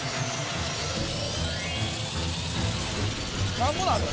何ぼなる？